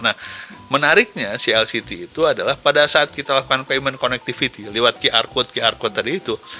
nah menariknya clct itu adalah pada saat kita lakukan payment connectivity lewat qr code qr code tadi itu